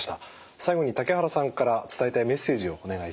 最後に竹原さんから伝えたいメッセージをお願いします。